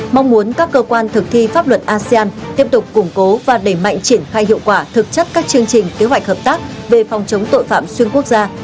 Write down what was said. mong muốn các cơ quan thực thi pháp luật asean tiếp tục củng cố và đẩy mạnh triển khai hiệu quả thực chất các chương trình kế hoạch hợp tác về phòng chống tội phạm xuyên quốc gia